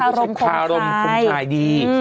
ข้ามพูดคารมคงขายดี